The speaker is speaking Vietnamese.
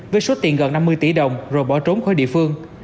với số tiền gần năm mươi tỷ đồng rồi bỏ trốn khỏi địa phương